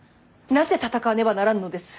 なぜ戦わねばならぬのです。